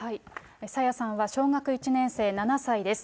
朝芽さんは小学１年生、７歳です。